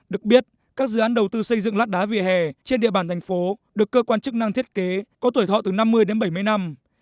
được biết các dự án đầu tư xây dựng lát đá vì hè trên địa bàn thành phố được cơ quan chức năng thiết kế có tuổi thọ từ năm mươi đến bảy mươi năm